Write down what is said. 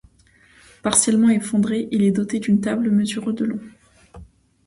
Partiellement effondré, il est doté d'une table mesurant de long.